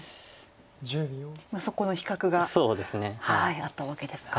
そこの比較があったわけですか。